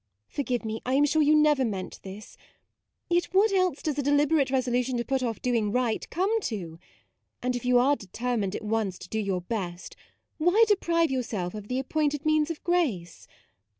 Forgive me ; I am sure you never meant this : yet what else does a deliberate resolution to put off do ing right come to ? and if you are determined at once to do your best, why deprive yourself of the appointed means of grace